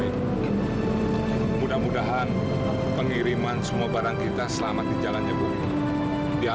sampai jumpa di video selanjutnya